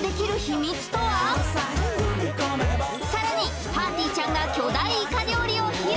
さらにぱーてぃーちゃんが巨大イカ料理を披露